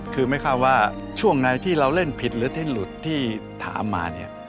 คือไม่ค่าว่าช่วงในที่เราเล่นผิดหรือเล่นหลุดที่ถามมา